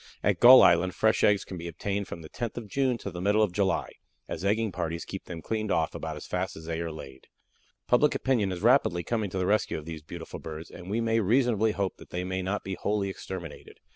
At Gull Island fresh eggs can be obtained from the 10th of June to the middle of July, as egging parties keep them cleaned off about as fast as they are laid. Public opinion is rapidly coming to the rescue of these beautiful birds, and we may reasonably hope that they may not be wholly exterminated.